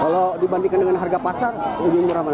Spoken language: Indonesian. kalau dibandingkan dengan harga pasar lebih murah mana